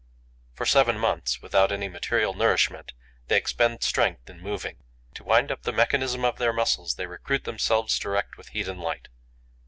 For seven months, without any material nourishment, they expend strength in moving. To wind up the mechanism of their muscles, they recruit themselves direct with heat and light.